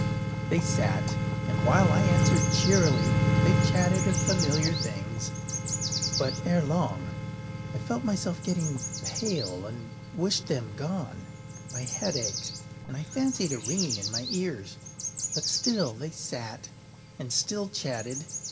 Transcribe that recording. They sat, and while I answered cheerily, they chatted of familiar things. But, ere long, I felt myself getting pale and wished them gone. My head ached, and I fancied a ringing in my ears: but still they sat and still chatted.